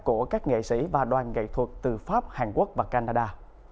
của các nghệ sĩ và đoàn nghệ thuật từ pháp hàn quốc và canada